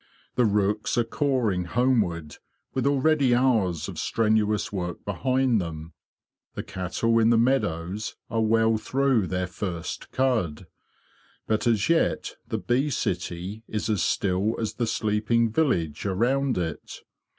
The rooks are cawing homeward with already hours of strenuous work behind them. The cattle in the meadows are well through their first cud. But as yet the bee city is as still as the sleeping village around it.